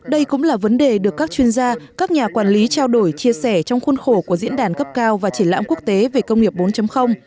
đây cũng là vấn đề được các chuyên gia các nhà quản lý trao đổi chia sẻ trong khuôn khổ của diễn đàn cấp cao và triển lãm